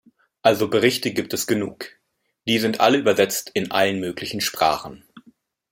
Also Berichte gibt es genug. Die sind alle übersetzt in allen möglichen Sprachen.